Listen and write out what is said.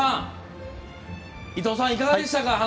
伊藤さん、いかがでしたか？